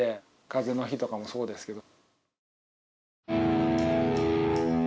「風の日」とかもそうですけど。